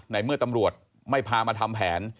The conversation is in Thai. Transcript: ในเมื่อตำรวจไม่พามาทำแผน